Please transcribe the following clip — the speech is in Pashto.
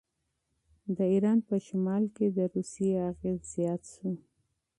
د ایران په شمال کې د روسیې اغېز زیات شو.